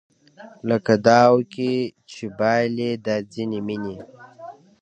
لکه داو کې چې بایلي دا ځینې مینې